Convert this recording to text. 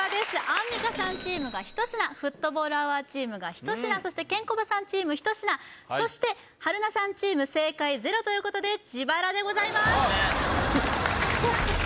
アンミカさんチームが１品フットボールアワーチームが１品そしてケンコバさんチーム１品そして春菜さんチーム正解ゼロということで自腹でございます